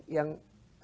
yang sebenarnya kan